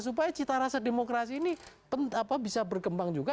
supaya citarasa demokrasi ini bisa berkembang juga